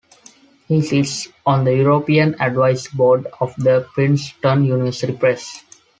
He sits on the European Advisory Board of the Princeton University Press.